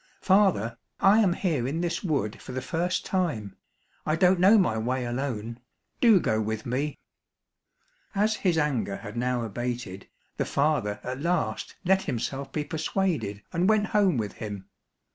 "Father, I am here in this wood for the first time, I don't know my way alone. Do go with me." As his anger had now abated, the father at last let himself be persuaded and went home with him.